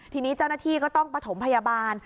ทีนี้เจ้าหน้าที่ก็ต้องประถมพยาบาล